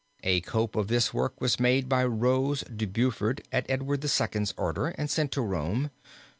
A cope of this work was made by Rose de Burford at Edward II's order, and sent to Rome.